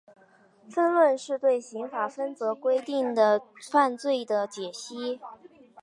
分论是对刑法分则规定的犯罪的解析。